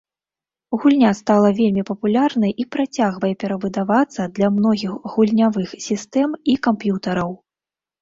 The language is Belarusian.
Гульня стала вельмі папулярнай і працягвае перавыдавацца для многіх гульнявых сістэм і камп'ютараў.